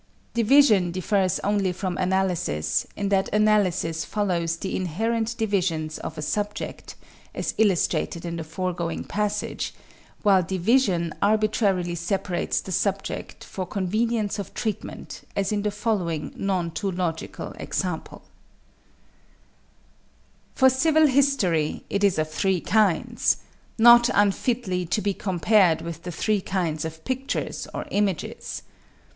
=Division= differs only from analysis in that analysis follows the inherent divisions of a subject, as illustrated in the foregoing passage, while division arbitrarily separates the subject for convenience of treatment, as in the following none too logical example: For civil history, it is of three kinds; not unfitly to be compared with the three kinds of pictures or images.